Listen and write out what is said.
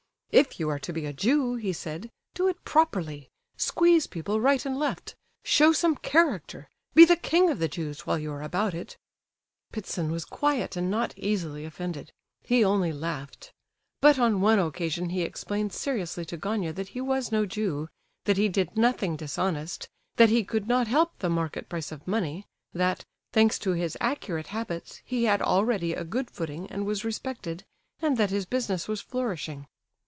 "If you are to be a Jew," he said, "do it properly—squeeze people right and left, show some character; be the King of the Jews while you are about it." Ptitsin was quiet and not easily offended—he only laughed. But on one occasion he explained seriously to Gania that he was no Jew, that he did nothing dishonest, that he could not help the market price of money, that, thanks to his accurate habits, he had already a good footing and was respected, and that his business was flourishing.